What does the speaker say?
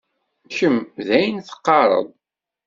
Kemm d ayen teqqared.